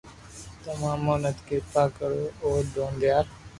تو امو نت ڪرپا ڪرو او دون ديال